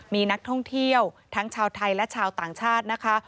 มีนักท่องเที่ยวทั้งชาวไทยและชาวต่างชาตินะคะ